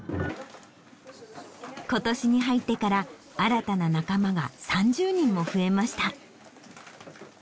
今年に入ってから新たな仲間が３０人も増えました。